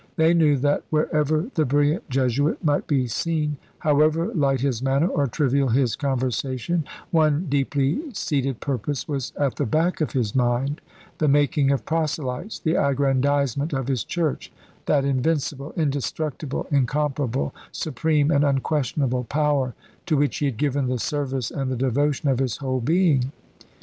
They knew that wherever the brilliant Jesuit might be seen, however light his manner or trivial his conversation, one deeply seated purpose was at the back of his mind, the making of proselytes, the aggrandisement of his Church, that Invincible, Indestructible, Incomparable, Supreme, and Unquestionable Power, to which he had given the service and the devotion of his whole being.